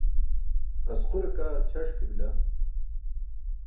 Asqure kaa ćʰaṣ ke bila.